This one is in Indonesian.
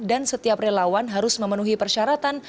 dan setiap relawan harus memenuhi persyaratan